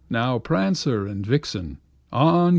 now, Prancer and Vixen! On!